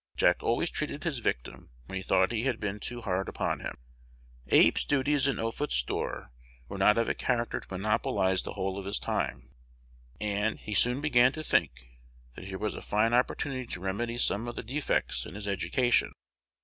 Jack always treated his victim when he thought he had been too hard upon him. Abe's duties in Offutt's store were not of a character to monopolize the whole of his time,1 and he soon began to think that here was a fine opportunity to remedy some of the defects in his education.